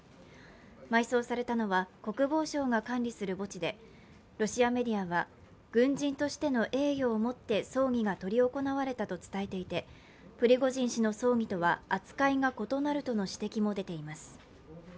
埋葬されたのは国防省が管理する墓地でロシアメディアは、軍人としての栄誉をもって葬儀が執り行われたと伝えていてプリゴジン氏の葬儀とは扱いが異なるとの指摘も出ています。